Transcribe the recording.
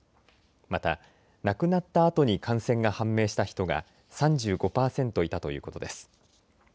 また、亡くなったあとに感染が判明した人が３５％いたということです。